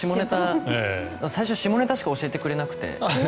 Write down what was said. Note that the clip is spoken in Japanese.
最初下ネタしか教えてくれなくて。